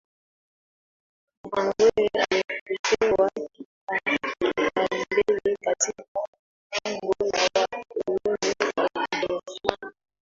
Karagwe haikupewa kipaumbele katika mipango ya wakoloni wa Kijerumani